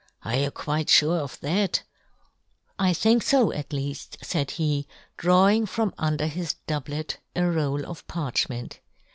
" Are you quite fure of that ?"" I think fo at leaft," faid he, drawing from under his doublet a roll of parchment.